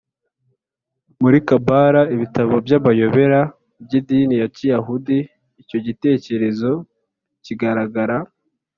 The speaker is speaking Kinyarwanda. Muri Kabbalah ibitabo by amayobera by idini ya Kiyahudi icyo gitekerezo kigaragara